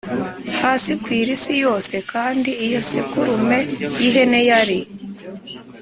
Hasi ikwira isi yose kandi iyo sekurume y ihene yari